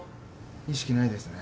意識ないですね。